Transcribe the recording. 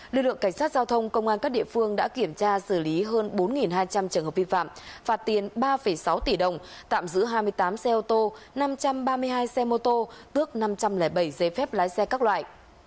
lực lượng cảnh sát giao thông công an các địa phương đã kiểm tra xử lý hơn bốn hai trăm linh trường hợp vi phạm phạt tiền ba sáu tỷ đồng tạm giữ hai mươi tám xe ô tô năm trăm ba mươi hai xe mô tô tước năm trăm linh bảy giấy phép lái xe các loại